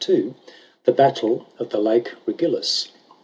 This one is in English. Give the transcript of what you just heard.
W THE BATTLE OF THE LAKE REGILLUS.